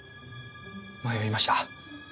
迷いました。